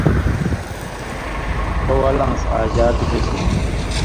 سو ول آن٘س آژاک دیسہۡ مہ